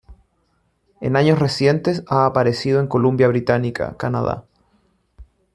En años recientes, ha aparecido en Columbia Británica, Canadá.